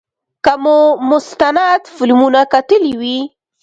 که مو مستند فلمونه کتلي وي.